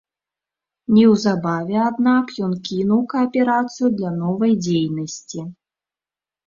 Неўзабаве, аднак, ён кінуў кааперацыю для новай дзейнасці.